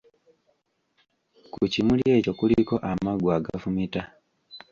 Ku kimuli ekyo kuliko amaggwa agafumita.